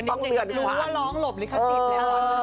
นิดก็รู้ว่าร้องหลบลิขติดเลย